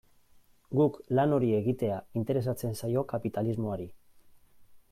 Guk lan hori egitea interesatzen zaio kapitalismoari.